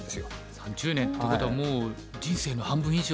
３０年ってことはもう人生の半分以上。